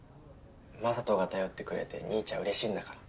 雅人が頼ってくれて兄ちゃんうれしいんだから。